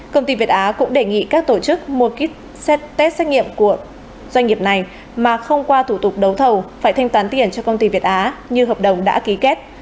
công ty việt á cũng đề nghị các tổ chức mua kýt xét nghiệm của doanh nghiệp này mà không qua thủ tục đấu thầu phải thanh toán tiền cho công ty việt á như hợp đồng đã ký kết